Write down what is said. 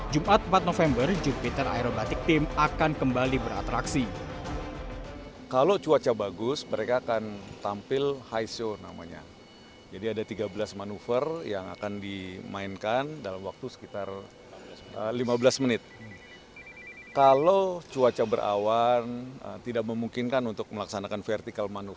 jumat empat november jupiter aerobatic team akan kembali beratraksi